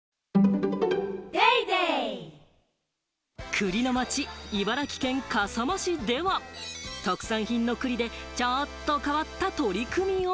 栗の町・茨城県笠間市では、特産品の栗でちょっと変わった取り組みを。